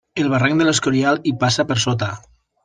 El barranc de l'Escorial hi passa per sota.